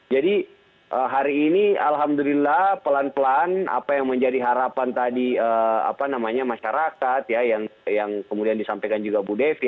jadi hari ini alhamdulillah pelan pelan apa yang menjadi harapan tadi apa namanya masyarakat ya yang kemudian disampaikan juga bu devi